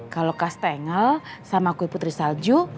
kalau kas tengel sama kue putri salju